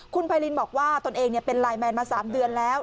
คุณไพรินบอกว่าตนเองเป็นไลน์แมนมา๓เดือนแล้ว